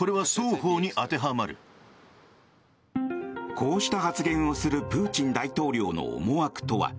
こうした発言をするプーチン大統領の思惑とは。